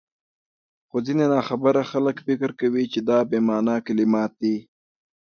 خو ځيني ناخبره خلک فکر کوي چي دا بې مانا کلمات دي،